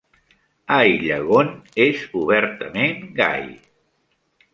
Aillagon és obertament gai.